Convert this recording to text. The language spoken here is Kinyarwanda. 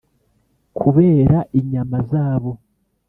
kubera inyama zabo